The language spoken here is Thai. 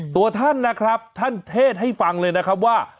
ตัวท่านนะครับท่านเทศให้ฟังเลยนะครับว่า